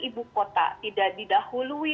ibu kota tidak didahului